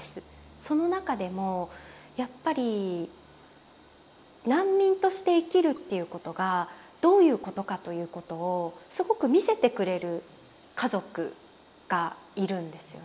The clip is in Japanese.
その中でもやっぱり難民として生きるっていうことがどういうことかということをすごく見せてくれる家族がいるんですよね。